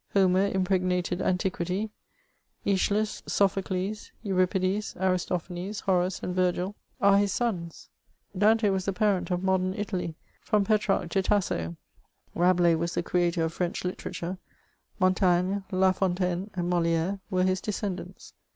Homer impregnated antiquity ; ^schylus, So phocles, Euripides, Aristophanes, Horace, and Virgil, are his 424 MEMoms OF eons. Dante was the parent of modem Italy, £rom Petrarch to Tasso; Rabelais was the creator of French literature ; Man* taigne, Lafontaine and Moli^re were his descendants.